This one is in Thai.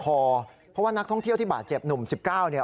เพราะว่านักท่องเที่ยวที่บาดเจ็บหนุ่ม๑๙เนี่ย